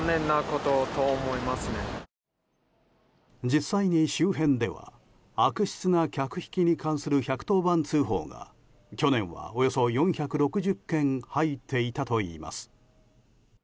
実際に周辺では悪質な客引きに関する１１０番通報が去年はおよそ４６０件入っていたといいます。